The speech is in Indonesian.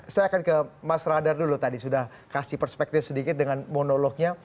saya akan ke mas radar dulu tadi sudah kasih perspektif sedikit dengan monolognya